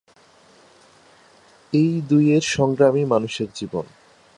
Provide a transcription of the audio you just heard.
এই দুই-এর সংগ্রামই মানুষের জীবন।